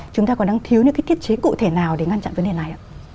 chúng ta còn đang thiếu những cái thiết chế cụ thể nào để ngăn chặn vấn đề này ạ